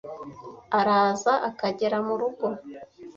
araza akagera mu rugo